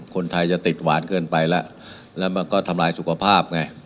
คนไทยจะติดหวานเกินไปแล้วแล้วมันก็ทำลายสุขภาพไง